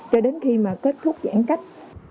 cho đến khi mà kết thúc giãn cách